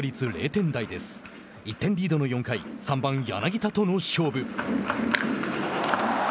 １点リードの４回３番柳田との勝負。